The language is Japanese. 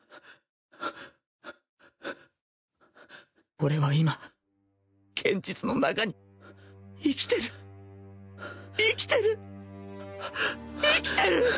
俺は今現実の中に生きてる生きてる生きてる！